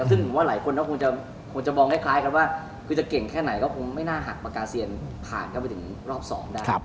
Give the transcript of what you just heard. ซึ่งว่าหลายคนก็คงจะมองคล้ายกันว่าคือจะเก่งแค่ไหนก็คงไม่น่าหักปากกาเซียนผ่านเข้าไปถึงรอบ๒ได้